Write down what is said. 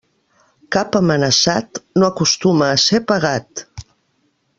Cap amenaçat, no acostuma a ser pegat.